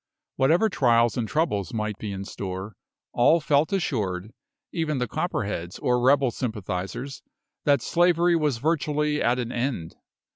Whatever trials and troubles might be in store, all felt assured, even the Copperheads or rebel sympathisers, that slavery was virtually at an end.